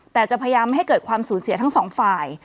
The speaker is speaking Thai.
แต่จะพยายามไม่ให้เกิดความสูญเสียทั้งสองฝ่าย